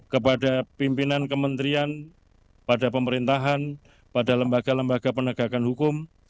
kepada pimpinan kementerian pada pemerintahan pada lembaga lembaga penegakan hukum